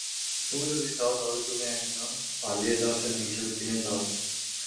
তুমি যদি যাও, তবে তুমি একজন পালিয়ে যাওয়া সৈনিক হিসেবে চিহ্নিত হবে।